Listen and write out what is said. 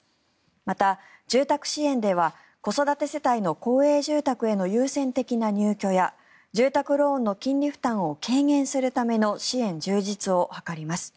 また、住宅支援では子育て世帯の公営住宅への優先的な入居や住宅ローンの金利負担を軽減するための支援充実を図ります。